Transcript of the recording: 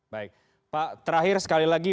baik pak terakhir sekali lagi